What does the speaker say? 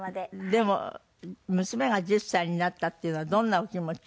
でも娘が１０歳になったっていうのはどんなお気持ち？